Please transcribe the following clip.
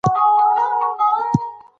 ده د نوم پر ځای د خدمت فکر کاوه.